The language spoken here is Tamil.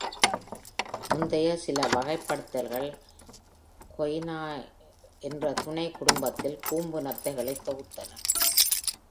முந்தைய சில வகைப்படுத்துதல்கள் Coninae என்ற துணைக் குடும்பத்தில் கூம்பு நத்தைகளை தொகுத்தன.